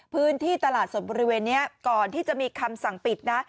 พื้นที่ตลาดสดบริเวณนี้ก่อนที่จะมีคำสั่งปิดนะ